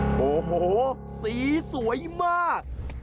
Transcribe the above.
โอ้โหสีสวยมาก